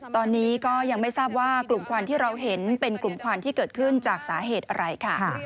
ตอนนี้ก็ยังไม่ทราบว่ากลุ่มควันที่เราเห็นเป็นกลุ่มควันที่เกิดขึ้นจากสาเหตุอะไรค่ะ